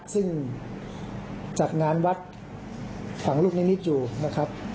ซึ่งจากงานวัดฝั่งลูกเนี่ยนิจอยู่นะครับ